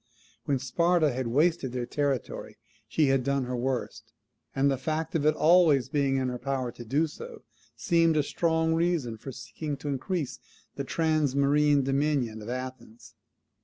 When Sparta had wasted their territory she had done her worst; and the fact of its always being in her power to do so, seemed a strong reason for seeking to increase the transmarine dominion of Athens.